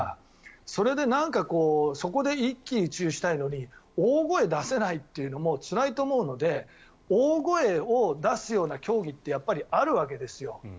それでそこで一喜一憂したいのに大声出せないっていうのもつらいと思うので大声を出すような競技ってやっぱりあるわけですよ。